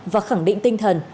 và khẳng định tinh thần